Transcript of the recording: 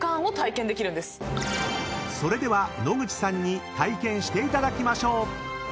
［それでは野口さんに体験していただきましょう］